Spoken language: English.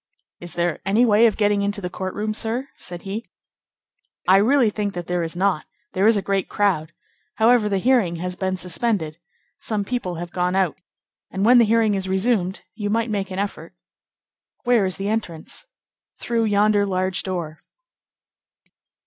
"Is there any way of getting into the court room, sir?" said he. "I really think that there is not. There is a great crowd. However, the hearing has been suspended. Some people have gone out, and when the hearing is resumed, you might make an effort." "Where is the entrance?" "Through yonder large door."